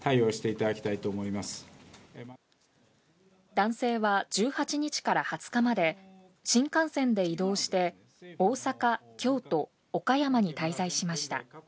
男性は１８日から２０日まで新幹線で移動して大阪、京都、岡山に滞在しました。